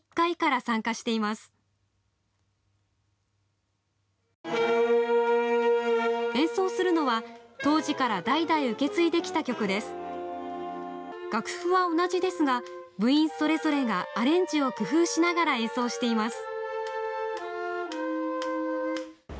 楽譜は同じですが部員それぞれがアレンジを工夫しながら演奏しています。